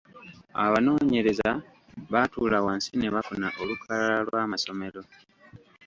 Abanoonyereza baatuula wansi ne bafuna olukalala lw’amasomero.